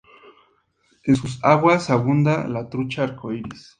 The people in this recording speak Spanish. En sus aguas abunda la trucha arco iris.